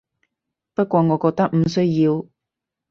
不過我覺得唔需要